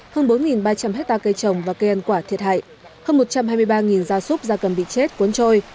hơn bốn ba trăm linh hectare cây trồng và cây ăn quả thiệt hại hơn một trăm hai mươi ba gia súc gia cầm bị chết cuốn trôi